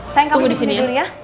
saya nganggap di sini dulu ya